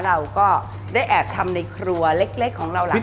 เราก็ได้แอบทำในครัวเล็กของเราหลัง